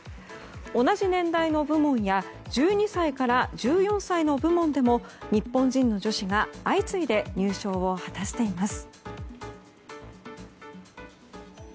同じ年代の部門や１２歳から１４歳の部門でも日本人女子が相次いで入賞を果たしています。